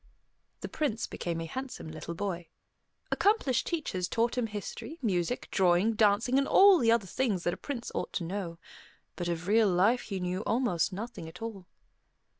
The Prince became a handsome little boy. Accomplished teachers taught him history, music, drawing, dancing, and all the other things that a prince ought to know. But of real life he knew almost nothing at all.